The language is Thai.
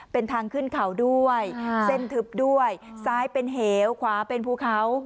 เป็นทางขึ้นเขาด้วยเส้นทึบด้วยซ้ายเป็นเหวขวาเป็นภูเขา